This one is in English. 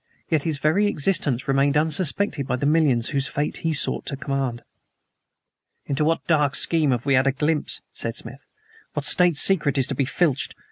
Yet his very existence remained unsuspected by the millions whose fate he sought to command. "Into what dark scheme have we had a glimpse?" said Smith. "What State secret is to be filched?